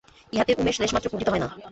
ইহাতে উমেশ লেশমাত্র কুণ্ঠিত হয় না।